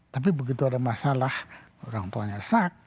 tapi begitu ada masalah orang tuanya sakit